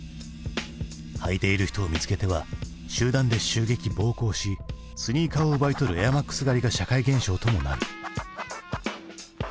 履いている人を見つけては集団で襲撃・暴行しスニーカーを奪い取るエアマックス狩りが社会現象ともなる。